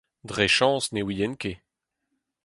Dre chañs ne ouien ket.